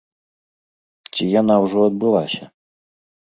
Ці яна ўжо адбылася?